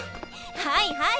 はいはい。